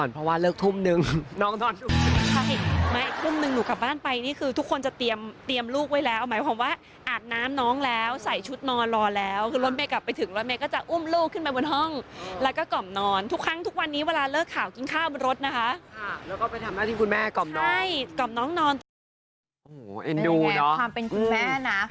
เป็นยังไงความเป็นคุณแม่นะ